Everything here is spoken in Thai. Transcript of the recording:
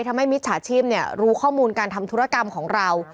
ทำให้มิตรชาติชีพรู้ข้อมูลการทำธุรกรรมของเรา